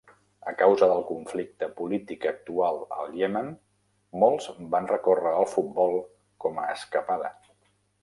A causa del conflicte polític actual al Iemen, molts van recórrer al futbol com a escapada.